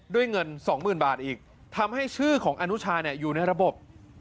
เงินสองหมื่นบาทอีกทำให้ชื่อของอนุชาอยู่ในระบบ